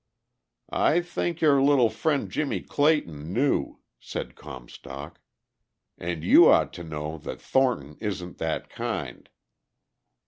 "I think your little friend Jimmie Clayton knew," said Comstock. "And you ought to know that Thornton isn't that kind."